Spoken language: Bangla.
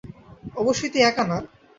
অবশ্যই তুই একা না।